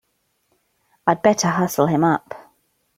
I'd better hustle him up!